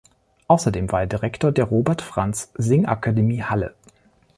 Außerdem war er Direktor der "Robert-Franz-Singakademie Halle".